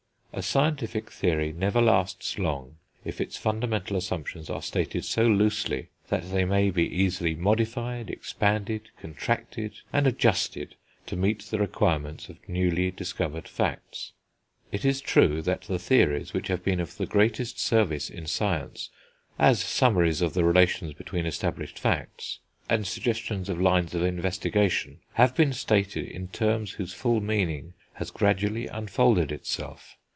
A scientific theory never lasts long if its fundamental assumptions are stated so loosely that they may be easily modified, expanded, contracted, and adjusted to meet the requirements of newly discovered facts. It is true that the theories which have been of the greatest service in science, as summaries of the relations between established facts, and suggestions of lines of investigation, have been stated in terms whose full meaning has gradually unfolded itself.